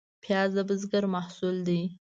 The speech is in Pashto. پیاز د بزګر محصول دی